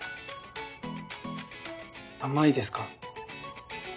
甘いですか？